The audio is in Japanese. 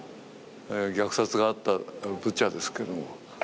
虐殺があったブチャですけれども。